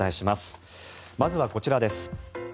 まずはこちらです。